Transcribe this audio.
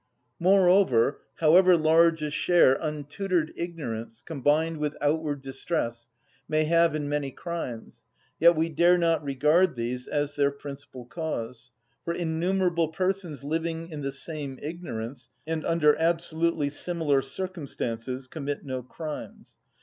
Moreover, however large a share untutored ignorance, combined with outward distress, may have in many crimes, yet we dare not regard these as their principal cause, for innumerable persons living in the same ignorance and under absolutely similar circumstances commit no crimes.